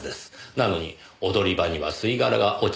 なのに踊り場には吸い殻が落ちていた。